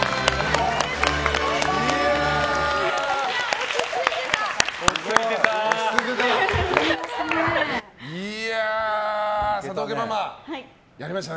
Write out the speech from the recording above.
落ち着いてた。